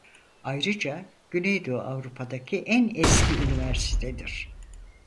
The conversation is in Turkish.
Ayrıca güneydoğu Avrupa'daki en eski üniversitedir.